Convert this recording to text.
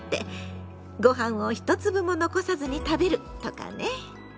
「ご飯をひと粒も残さずに食べる」とかね。